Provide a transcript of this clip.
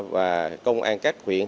và công an các huyện